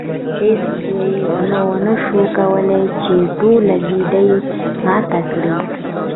هیڅ زوی ونشو کولی چې ټوله ګېډۍ ماته کړي.